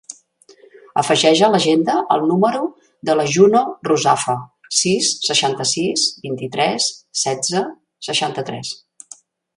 Afegeix a l'agenda el número de la Juno Ruzafa: sis, seixanta-sis, vint-i-tres, setze, seixanta-tres.